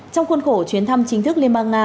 trong khuôn khổ chuyến thăm chính thức liên bang nga